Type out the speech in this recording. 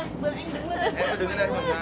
bây giờ làm sao ạ